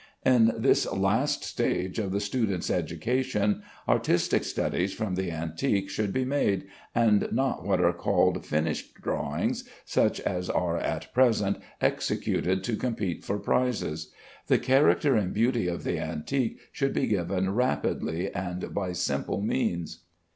In this last stage of the student's education, artistic studies from the antique should be made, and not what are called finished drawings, such as are at present executed to compete for prizes. The character and beauty of the antique should be given rapidly, and by simple means.